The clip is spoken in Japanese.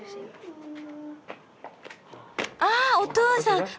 ああお父さん。